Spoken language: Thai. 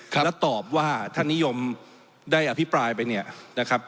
แล้วตอบว่าท่านนิยมได้อภิปรายไปเนี่ยนะครับ